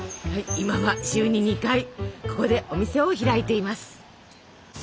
今は週に２回ここでお店を開いています。